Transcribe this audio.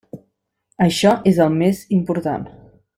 Això és el més important.